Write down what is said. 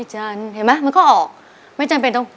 จันทร์เห็นไหมมันก็ออกไม่จำเป็นต้อง